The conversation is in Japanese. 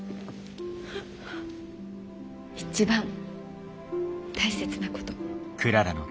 一番大切なこと。